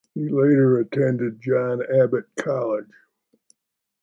He later attended John Abbot College.